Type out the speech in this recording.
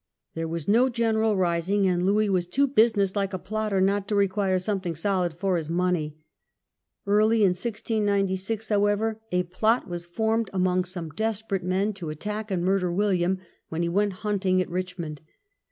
There was no general rising, and Louis was too business like a plotter not to require something solid for his money. Early in 1696, however, a plot was formed among some desperate men to attack and murder William when he went hunting at Richmond.